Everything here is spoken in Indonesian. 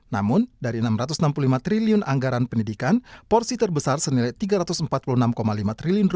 namun dari enam ratus enam puluh lima triliun anggaran pendidikan porsi terbesar senilai tiga ratus empat puluh enam lima triliun rupiah justru digunakan untuk transfer